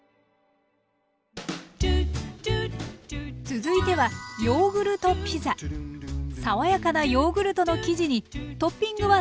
続いては爽やかなヨーグルトの生地にトッピングは３種類のチーズだけ！